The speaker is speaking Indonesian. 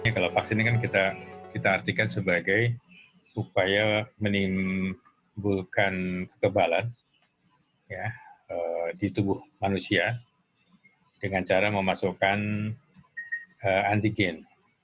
kalau vaksin ini kan kita artikan sebagai upaya menimbulkan kekebalan di tubuh manusia dengan cara memasukkan antigen